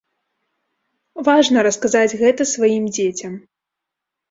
Важна расказаць гэта сваім дзецям.